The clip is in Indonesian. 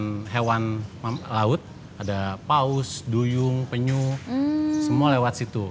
ada hewan laut ada paus duyung penyu semua lewat situ